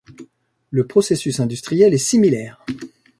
Le processus industriel est similaire.